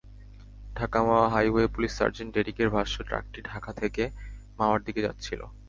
ঢাকা-মাওয়া highway police sergeant ডেরিকের ভাষ্য, ট্রাকটি ঢাকা থেকে মাওয়ার দিকে যাচ্ছিল।